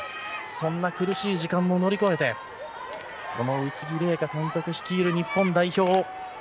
そんな苦しい時間も乗り越えてこの宇津木麗華監督率いる日本代表